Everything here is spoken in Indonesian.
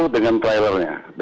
sepuluh dengan trailernya